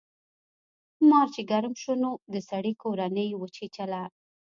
مار چې ګرم شو نو د سړي کورنۍ یې وچیچله.